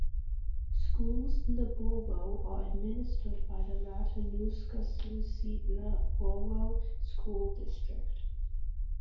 Schools in the borough are administered by the Matanuska-Susitna Borough School District.